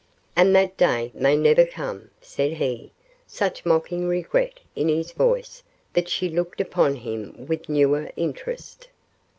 "And that day may never come," said he, such mocking regret in his voice that she looked upon him with newer interest.